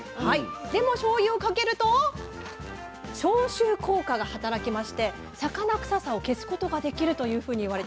でもしょうゆをかけると消臭効果が働きまして魚臭さを消すことができるというふうにいわれてます。